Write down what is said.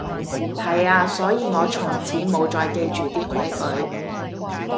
係啊，所以我從此無再記住啲規矩